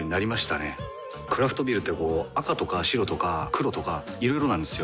クラフトビールってこう赤とか白とか黒とかいろいろなんですよ。